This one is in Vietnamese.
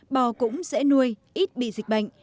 bò cũng dễ nuôi ít bị dịch bệnh